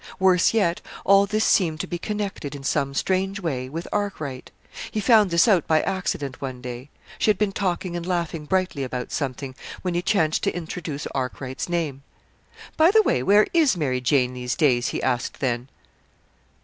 Worse yet, all this seemed to be connected in some strange way with Arkwright. He found this out by accident one day. She had been talking and laughing brightly about something, when he chanced to introduce Arkwright's name. "By the way, where is Mary Jane these days?" he asked then.